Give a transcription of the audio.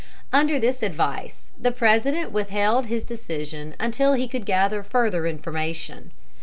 Under this advice, the President withheld his decision until he could gather further information.